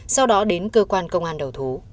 sau đó đến cơ quan công an đầu thú